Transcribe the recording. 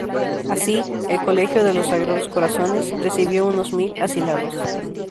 Así, el colegio de los Sagrados Corazones, recibió unos mil asilados.